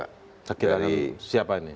kaki tangan siapa ini